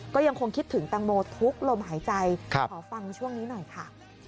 ก็ยังคงคิดถึงแตงโมทุกลมหายใจขอฟังช่วงนี้หน่อยค่ะ